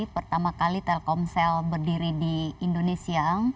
pertama kali telkomsel berdiri di indonesia